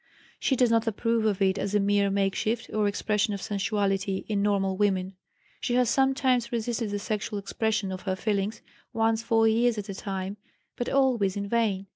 She does not approve of it as a mere makeshift, or expression of sensuality, in normal women. She has sometimes resisted the sexual expression of her feelings, once for years at a time, but always in vain.